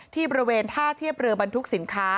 ที่บริเวณท่าเทียบเรือบรรทุกสินค้า